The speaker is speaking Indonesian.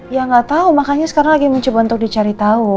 ya gak tau makanya sekarang lagi mencoba untuk dicari tau